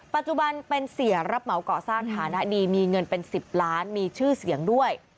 ปัจจุบันเป็นเสียรับเหมาก่อสร้างฐานะดีมีเงินเป็น๑๐ล้านมีชื่อเสียงด้วย